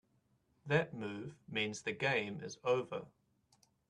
That move means the game is over.